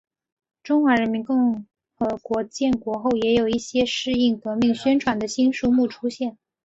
中华人民共和国建国后也有一些适应革命宣传的新书目出现。